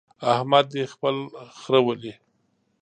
احمد دې خپل خره ولي.